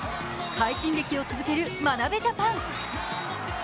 快進撃を続ける眞鍋ジャパン。